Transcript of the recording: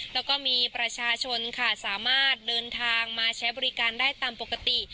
แล้วก็มีประชาชนค่ะสามารถเดินทางมาใช้บริการได้ตามปกติ